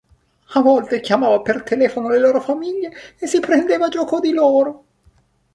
A volte chiamava per telefono le loro famiglie e si prendeva gioco di loro.